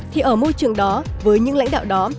thì ở môi trường đó với những lãnh đạo đó